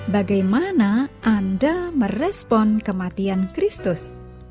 bagaimana anda merespon kematian kristus